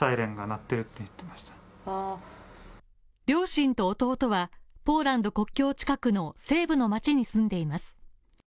両親と弟はポーランド国境近くの西部の町に住んでいます。